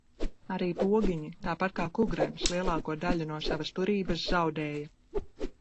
Arī Pogiņi, tāpat kā Kugrens, lielāko daļu no savas turības zaudēja.